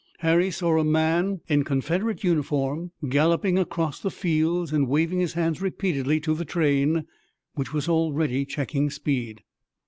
Harry saw a man in Confederate uniform galloping across the fields and waving his hands repeatedly to the train which was already checking speed.